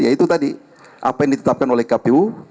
ya itu tadi apa yang ditetapkan oleh kpu